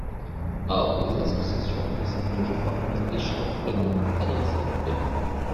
Or les associations ne savent toujours pas à quel échelon elles devront adresser leurs demandes.